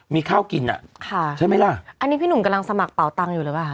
มีข้าวกินอ่ะค่ะใช่ไหมล่ะอันนี้พี่หนุ่มกำลังสมัครเป่าตังค์อยู่หรือเปล่าค